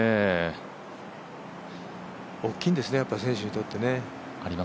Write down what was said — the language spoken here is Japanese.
大きいんですね、選手にとってね。